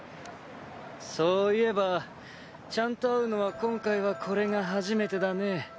そういえばちゃんと会うのは今回はこれが初めてだね。